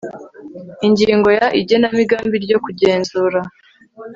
ingingo ya igenamigambi ryo kugenzura